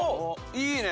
いいね！